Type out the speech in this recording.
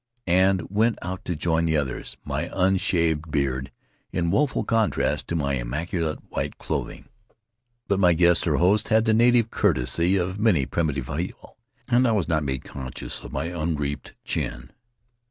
9 and went out to join the others, my unshaved beard in woeful contrast to my immaculate white clothing. 12 [ 165 ] Faery Lands of the South Seas But my guests, or hosts, had the native courtesy of many primitive people, and I was not made conscious of my unreaped chin.